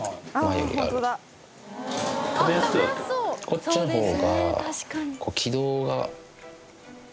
こっちのほうが。